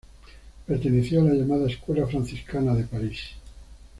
Perteneció a la llamada escuela franciscana de París.